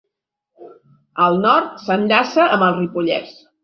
Al nord, s'enllaça amb el Ripollès.